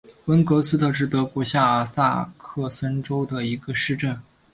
温格斯特是德国下萨克森州的一个市镇。